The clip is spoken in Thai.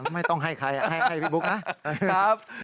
ไม่ต้องให้ใครให้พี่บุ๊คนะครับ